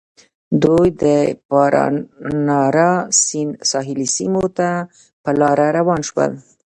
دوی د پانارا سیند ساحلي سیمو ته په لاره روان شول.